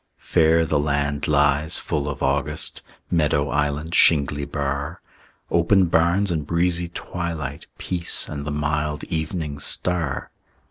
Fair the land lies, full of August, Meadow island, shingly bar, Open barns and breezy twilight, Peace and the mild evening star.